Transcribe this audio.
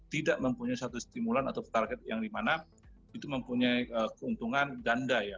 tidak mempunyai satu stimulan atau target yang dimana itu mempunyai keuntungan ganda ya